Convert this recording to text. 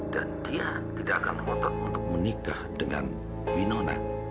dan dia tidak akan mengotot untuk menikah dengan winona